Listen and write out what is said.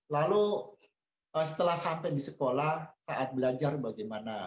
lalu setelah sampai di sekolah saat belajar bagaimana